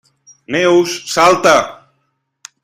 Neus, salta!